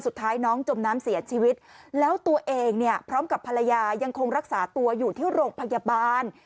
สุดท้ายน้องจมน้ำเสียชีวิตแล้วตัวเองเนี่ยพร้อมกับภรรยายังคงรักษาตัวอยู่ที่โรงพยาบาล